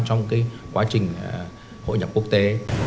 trong cái quá trình hội nhập quốc tế